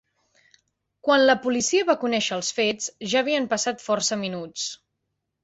Quan la policia va conèixer els fets, ja havien passat força minuts.